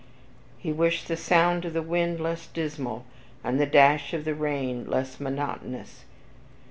he wished the sound of the wind less dismal, and the dash of the rain less monotonous.